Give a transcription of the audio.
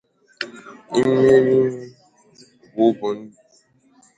Imerime wo bu nde ekpere chi Christian, ufodi bu ndi Islam ma ndi Jew.